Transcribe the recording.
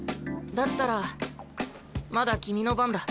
だったらまだ君の番だ。